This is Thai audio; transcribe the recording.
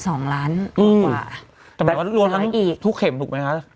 หมายความว่าทุกเข็มถูกไหมคะ